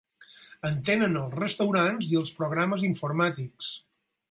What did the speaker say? En tenen els restaurants i els programes informàtics.